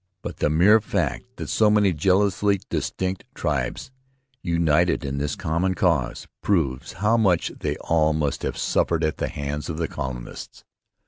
But the mere fact that so many jealously distinct tribes united in this common cause proves how much they all must have suffered at the hands of the colonists.